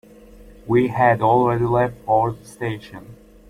We had already left for the station.